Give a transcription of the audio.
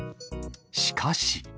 しかし。